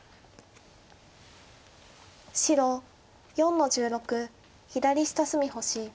白４の十六左下隅星。